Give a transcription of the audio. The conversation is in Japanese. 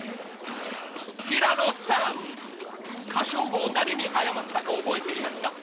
平野さん、歌唱後何に謝ったか覚えていますか？